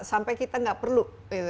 sampai kita enggak perlu